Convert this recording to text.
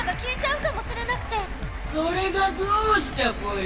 それがどうしたぽよ！